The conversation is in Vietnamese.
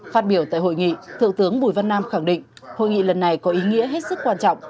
phát biểu tại hội nghị thượng tướng bùi văn nam khẳng định hội nghị lần này có ý nghĩa hết sức quan trọng